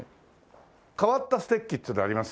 変わったステッキっつうのはあります？